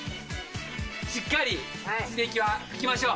しっかり水滴は拭きましょう。